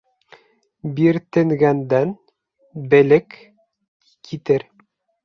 Биртенгәндән белек китер.